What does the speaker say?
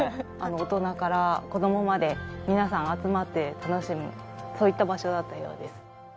大人から子どもまで皆さん集まって楽しむそういった場所だったようです。